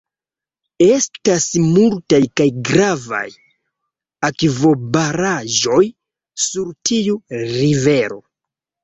Estas multaj kaj gravaj akvobaraĵoj sur tiu rivero.